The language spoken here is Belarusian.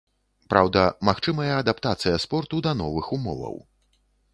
Праўда, магчымая адаптацыя спорту да новых умоваў.